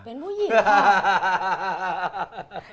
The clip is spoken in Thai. เป็นผู้หญิงค่ะ